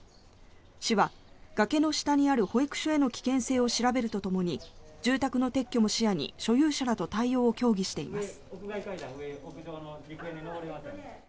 市は崖の下にある保育所への危険性を調べるとともに住宅の撤去も視野に所有者らと対応を協議しています。